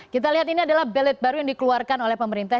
kita lihat ini adalah ballet baru yang dikeluarkan oleh pemerintah